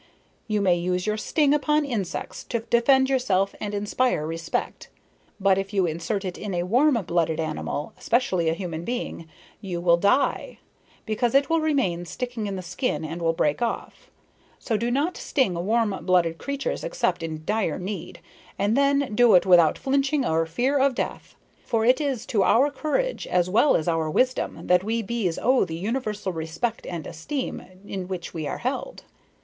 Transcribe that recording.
You may use your sting upon insects, to defend yourself and inspire respect, but if you insert it in a warm blooded animal, especially a human being, you will die, because it will remain sticking in the skin and will break off. So do not sting warm blooded creatures except in dire need, and then do it without flinching or fear of death. For it is to our courage as well as our wisdom that we bees owe the universal respect and esteem in which we are held.